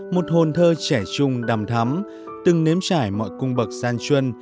một hồn thơ trẻ trung đầm thắm từng nếm trải mọi cung bậc san chuân